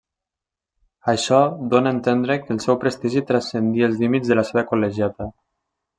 Això dóna entendre que el seu prestigi transcendí els límits de la seva Col·legiata.